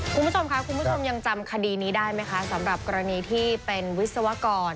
คุณผู้ชมค่ะคุณผู้ชมยังจำคดีนี้ได้ไหมคะสำหรับกรณีที่เป็นวิศวกร